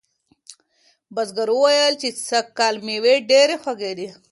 بزګر وویل چې سږکال مېوې ډیرې خوږې دي.